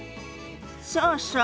そうそう。